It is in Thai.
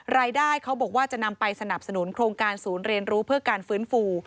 รายได้เขาบอกว่าจะนำไปสนับสนุนโครงการศูนย์เรียนรู้เพื่อการฟื้นฟู